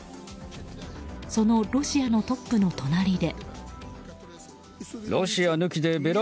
そのロシアのトップの隣で。